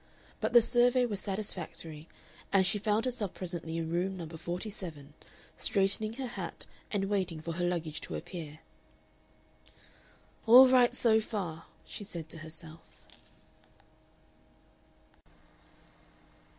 But the survey was satisfactory, and she found herself presently in Room No. 47, straightening her hat and waiting for her luggage to appear. "All right so far," she said to herself....